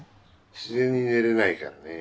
自然に寝れないからねえ。